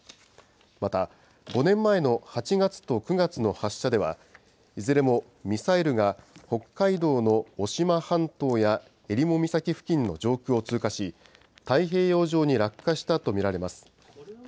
また５年前の８月と９月の発射では、いずれもミサイルが北海道の渡島半島やえりも岬付近の上空を通過し、太平洋上に落下したと見られます。